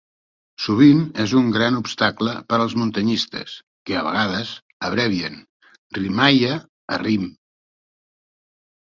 Sovint és un gran obstacle per als muntanyistes, que a vegades abrevien "rimaia" a "rim".